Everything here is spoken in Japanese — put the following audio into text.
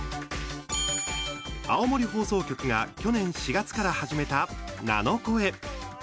青森放送局が去年４月から始めた「ナノコエ」。